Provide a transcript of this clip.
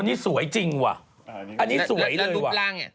นี่สวยจริงวะอันนี้สวยเลยวะ